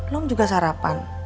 lo mau juga sarapan